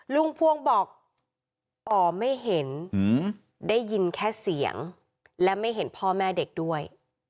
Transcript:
พวงบอกอ๋อไม่เห็นได้ยินแค่เสียงและไม่เห็นพ่อแม่เด็กด้วย